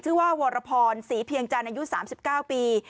ชื่อว่าวรพรศรีเพียงจันทร์อายุ๓๙ปี